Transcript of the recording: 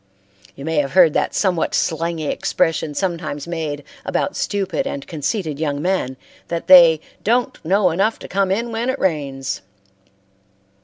You may have heard the somewhat slangy expression sometimes made about stupid and conceited young men, that they "don't know enough to come in when it rains."